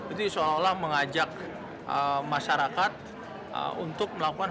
itu seolah olah mengajak masyarakat untuk melakukan